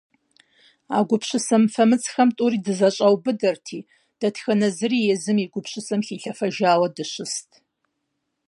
А гупсысэ мыфэмыцхэм тӀури дызэщӀаубыдэрти, дэтхэнэ зыри езым и гупсысэм хилъэфэжауэ дыщыст.